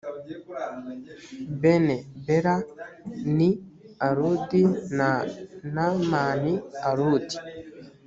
bene bela ni arudi na n mani arudi